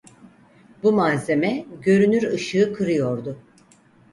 Bu malzeme görünür ışığı kırıyordu.